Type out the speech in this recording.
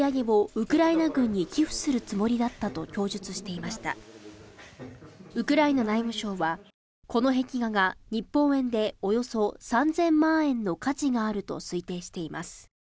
ウクライナ内務省はこの壁画が日本円でおよそ３千万円の価値があると推定しています。